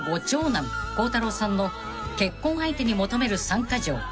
長男孝太郎さんの結婚相手に求める３カ条］